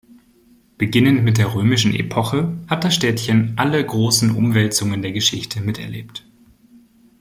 Beginnend mit der römischen Epoche hat das Städtchen alle großen Umwälzungen der Geschichte miterlebt.